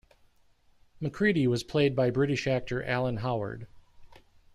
McCready was played by British actor Alan Howard.